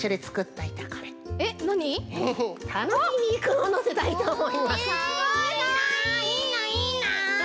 いいないいな！